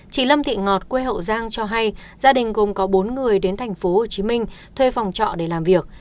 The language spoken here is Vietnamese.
chị lâm thị ngọt quê hậu giang cho hay gia đình gồm có bốn người đến tp hcm thuê phòng trọ để làm việc